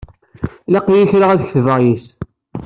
Ilaq-iyi kra ad ketbeɣ yess.